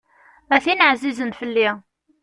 A tin εzizen fell-i.